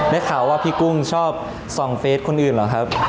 ได้ข่าวว่าพี่กุ้งชอบส่องเฟสคนอื่นเหรอครับ